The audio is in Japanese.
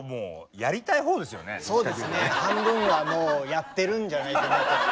そうですね半分はもうやってるんじゃないかなと。